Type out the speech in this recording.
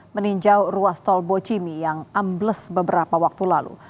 meninjau ruas tol bocimi yang ambles beberapa waktu lalu